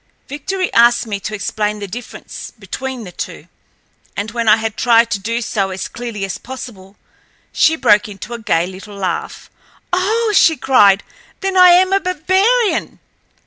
Victory asked me to explain the difference between the two, and when I had tried to do so as clearly as possible, she broke into a gay little laugh. "Oh," she cried, "then I am a barbarian!"